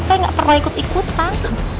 saya nggak pernah ikut ikutan